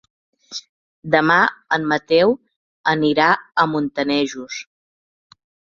Demà en Mateu anirà a Montanejos.